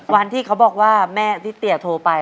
วันนที่เค้าบอกว่าแม่เตี๋ยวโทรไป